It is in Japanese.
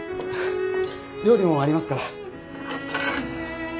料理もありますから。